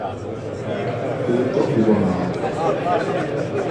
Peter übernahm.